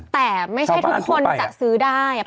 แต่ไม่ใช่ทุกคนจะซื้อได้